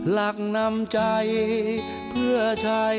รักนำใจเพื่อใช้